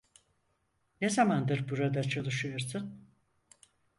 Ne zamandır burada çalışıyorsun?